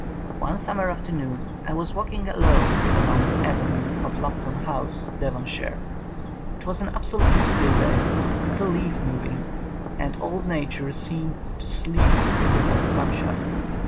One summer afternoon I was walking alone along the avenue of Lup 131 THE COMING OF THE FAIRIES ton House, Devonshire. It was an absolutely still day — not a leaf moving, and all Nature seemed to sleep in the hot sunshine.